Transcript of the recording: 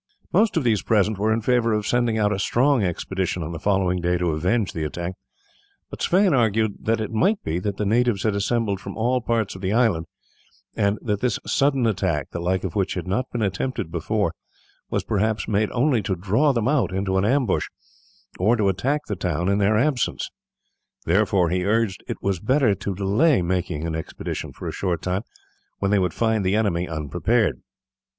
Most of those present were in favour of sending out a strong expedition on the following day to avenge the attack; but Sweyn argued that it might be that the natives had assembled from all parts of the island, and that this sudden attack, the like of which had not been attempted before, was perhaps made only to draw them out into an ambush or to attack the town in their absence. Therefore he urged it was better to delay making an expedition for a short time, when they would find the enemy unprepared.